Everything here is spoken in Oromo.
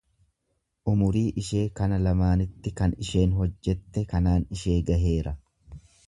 Umurii ishee kana lamaanitti kan isheen hojjette kanaan ishee gaheera.